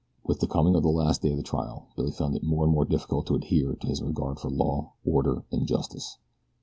With the coming of the last day of the trial Billy found it more and more difficult to adhere to his regard for law, order, and justice.